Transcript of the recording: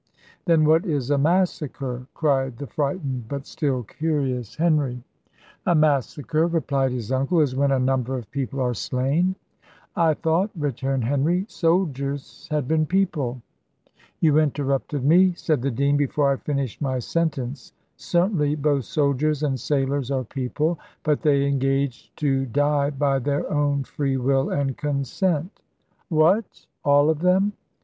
"Then what is a massacre?" cried the frightened, but still curious Henry. "A massacre," replied his uncle, "is when a number of people are slain " "I thought," returned Henry, "soldiers had been people!" "You interrupted me," said the dean, "before I finished my sentence. Certainly, both soldiers and sailors are people, but they engage to die by their own free will and consent." "What! all of them?"